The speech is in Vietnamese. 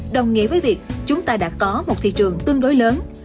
đồng nghĩa với việc chúng ta đã có một thị trường tương đối lớn